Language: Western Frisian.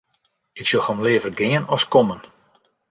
Ik sjoch him leaver gean as kommen.